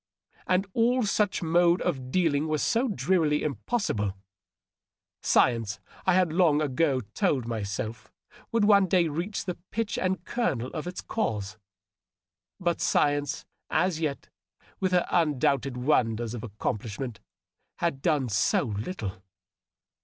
And all such mode of dealing was so drearily impos sible ! Science, I had long ago told myself, would one day reach the pith and kernel of its cause. But science as yet, with her undoubted wonders of accomplishment, had done so little